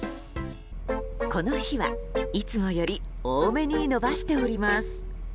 この日は、いつもより多めに伸ばしております。